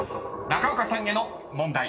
中岡さんへの問題］